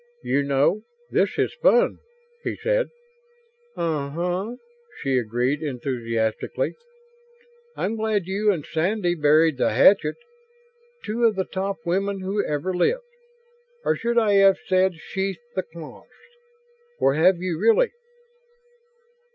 "You know, this is fun," he said. "Uh huh," she agreed enthusiastically. "I'm glad you and Sandy buried the hatchet. Two of the top women who ever lived. Or should I have said sheathed the claws? Or have you, really?"